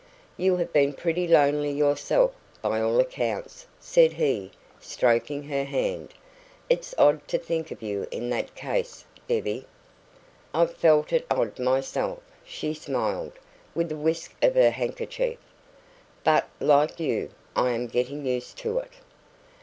"You have been pretty lonely yourself, by all accounts," said he, stroking her hand. "It's odd to think of you in that case, Debbie." "I've felt it odd myself," she smiled, with a whisk of her handkerchief. "But, like you, I am getting used to it."